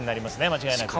間違いなく。